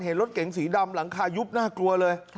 เห็นรถเก๋งสีดำหลังคายุบน่ากลัวเลย